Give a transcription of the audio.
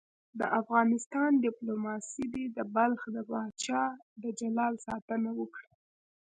د افغانستان دیپلوماسي دې د بلخ د پاچا د جلال ساتنه وکړي.